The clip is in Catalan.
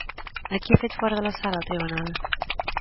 A qui ha fet fora de la sala el Tribunal?